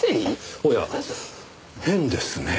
おや変ですねぇ。